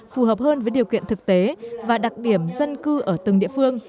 phù hợp hơn với điều kiện thực tế và đặc điểm dân cư ở từng địa phương